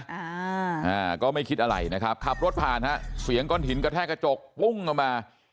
อ่าอ่าก็ไม่คิดอะไรนะครับขับรถผ่านฮะเสียงก้อนหินกระแทกกระจกปุ้งออกมา